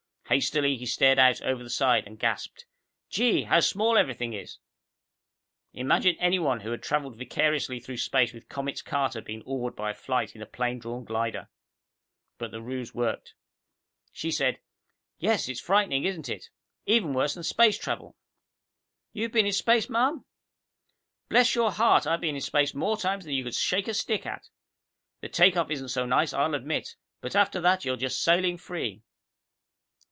Hastily he stared out over the side and gasped, "Gee, how small everything is!" Imagine anyone who had traveled vicariously through space with Comets Carter being awed by a flight in a plane drawn glider! But the ruse worked. She said, "Yes, it is frightening, isn't it? Even worse than space travel." "You've been in space, ma'am?" "Bless your heart, I've been in space more times than you could shake a stick at. The takeoff isn't so nice, I'll admit, but after that you're just sailing free.